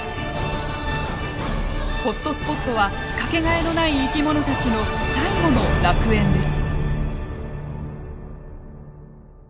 ホットスポットは掛けがえのない生き物たちの最後の楽園です。